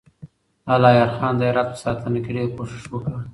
الهيار خان د هرات په ساتنه کې ډېر کوښښ وکړ.